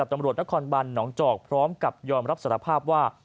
ตำรวจนครบันหนองจอกพร้อมกับยอมรับสารภาพว่า